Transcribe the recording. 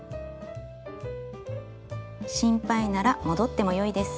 心配なら戻ってもよいです。